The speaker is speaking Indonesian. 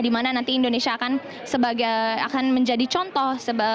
dimana nanti indonesia akan sebagai akan menjadi contoh